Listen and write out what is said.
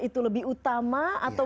itu lebih utama atau